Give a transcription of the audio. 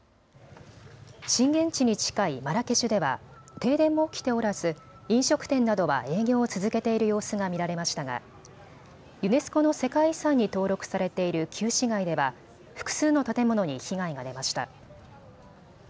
震源地に近いマラケシュでは停電も起きておらず飲食店などは営業を続けている様子が見られましたがユネスコの世界遺産に登録されている旧市街では複数の建物に被害が出ました。